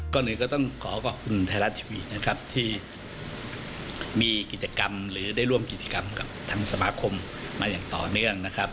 ก็เลยก็ต้องขอขอบคุณไทยรัฐทีวีนะครับที่มีกิจกรรมหรือได้ร่วมกิจกรรมกับทางสมาคมมาอย่างต่อเนื่องนะครับ